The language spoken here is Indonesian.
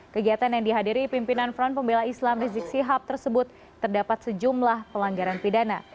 kegiatan yang dihadiri pimpinan front pembela islam rizik sihab tersebut terdapat sejumlah pelanggaran pidana